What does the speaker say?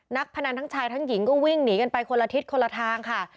พนันทั้งชายทั้งหญิงก็วิ่งหนีกันไปคนละทิศคนละทางค่ะ